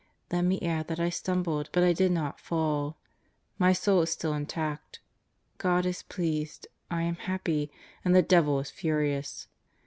Let me add that I stumbled but I did not fall. My soul is still intact. God is pleased; I am happy; and the devil is furious.